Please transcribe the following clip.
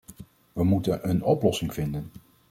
We moeten een oplossing vinden.